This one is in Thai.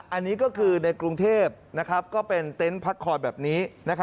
อันนี้ก็คือในกรุงเทพก็เป็นเต็นต์พักคอยแบบนี้